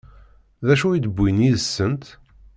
D acu i d-wwint yid-sent?